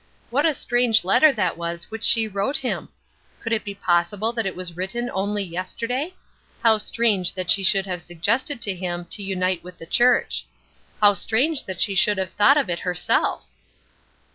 What a strange letter that was which she wrote him! Could it be possible that it was written only yesterday? How strange that she should have suggested to him to unite with the church! How strange that she should have thought of it herself!